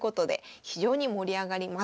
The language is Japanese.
非常に盛り上がります。